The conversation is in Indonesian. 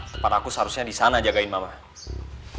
tempat aku seharusnya disana jagain mama aku